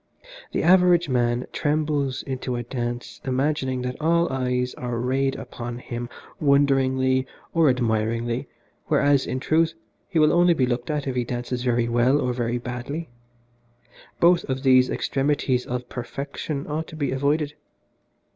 The average man trembles into a dance imagining that all eyes are rayed upon him wonderingly or admiringly, whereas, in truth, he will only be looked at if he dances very well or very badly. Both of these extremities of perfection ought to be avoided.